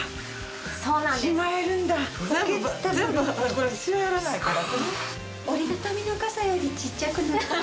これシワ寄らないから。